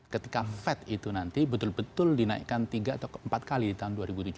ketika fed itu nanti betul betul dinaikkan tiga atau empat kali di tahun dua ribu tujuh belas